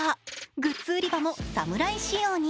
グッズ売り場も侍仕様に。